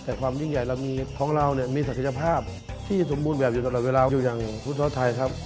แต่ความยิ่งใหญ่ของเรามีศักยภาพที่สมบูรณ์แบบอยู่ตลอดเวลาอยู่อย่างพุทธศาสตร์ไทยครับ